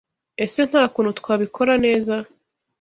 Ese Nta kuntu twabikora neza?